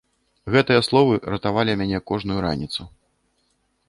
Гэтыя словы ратавалі мяне кожную раніцу.